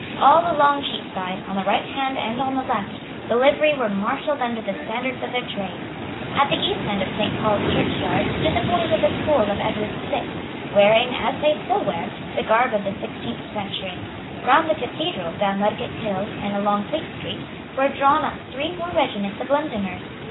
All along Cheapside, on the right hand and on the left, the livery were marshalled under the standards of their trades. At the east end of Saint Paul's churchyard stood the boys of the school of Edward the Sixth, wearing, as they still wear, the garb of the sixteenth century. Round the Cathedral, down Ludgate Hill and along Fleet Street, were drawn up three more regiments of Londoners.